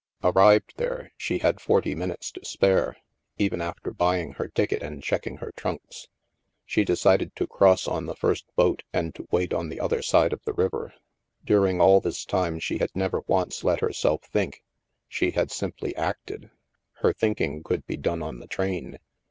Arrived there, she had forty minutes to spare, even after buying her ticket and checking her trunks. She decided to cross on the first boat and to wait on the other side of the river. During all this time, she had never once let herself think ; she had simply acted. Her thinking could be done on the train.